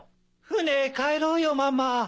船へ帰ろうよママ。